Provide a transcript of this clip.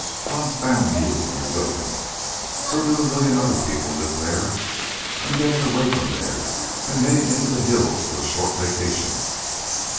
"Confound you and your Goodwin! So do a million other people live there! I'm getting away from there; I'm heading into the hills for a short vacation.